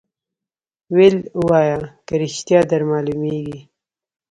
ویل وایه که ریشتیا در معلومیږي